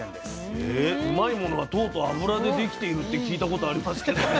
うまいものは糖と脂でできているって聞いたことありますけどね。